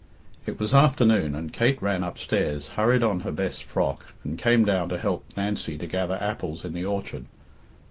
It was afternoon, and Kate ran upstairs, hurried on her best frock, and came down to help Nancy to gather apples in the orchard.